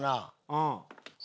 うん。